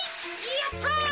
やった。